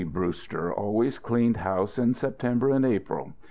Brewster always cleaned house in September and April.